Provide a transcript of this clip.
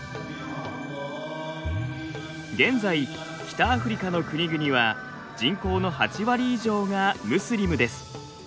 現在北アフリカの国々は人口の８割以上がムスリムです。